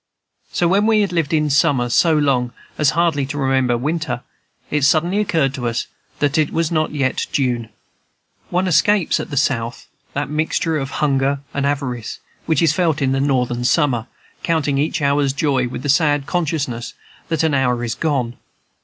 So when we had lived in summer so long as hardly to remember winter, it suddenly occurred to us that it was not yet June. One escapes at the South that mixture of hunger and avarice which is felt in the Northern summer, counting each hour's joy with the sad consciousness that an hour is gone.